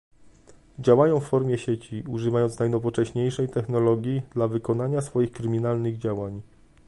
Działają w formie sieci, używając najnowocześniejszej technologii dla wykonania swoich kryminalnych działań